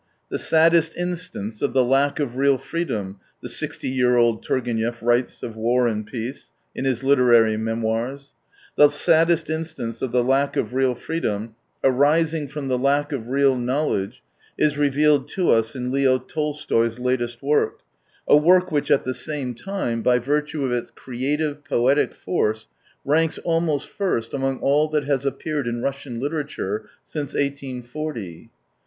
" The saddest instance of the lack of real freedom," the sixty year old Turgenev writes of War and Peace, in his literary memoirs : "the saddest instance of the lack of real freedom, arising from the lack of real knowledge, is revealed to us in Leo Tolstoy's latest work, a work which at the same time, *9 by virtue of Its creative, poetic force, ranks almost first among all that has appeared in Russian literature since 1840. No !